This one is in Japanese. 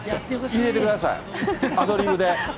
入れてください、アドリブで。